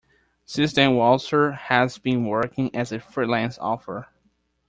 Since then Walser has been working as a freelance author.